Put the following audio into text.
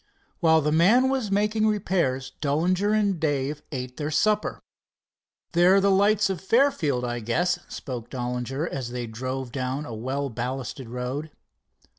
While the man was making repairs Dollinger and Dave ate their supper. "There are the lights of Fairfield, I guess," spoke Dollinger, as they drove down a well ballasted road.